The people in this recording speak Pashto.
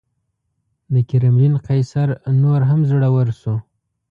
د کرملین قیصر نور هم زړور شو.